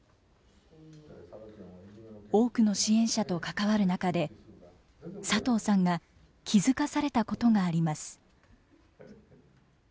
多くの支援者と関わる中で佐藤さんが気付かされたことがあります。